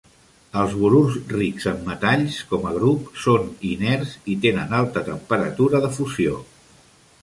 Els borurs rics en metalls, como a grup, són inerts i tenen alta temperatura de fusió.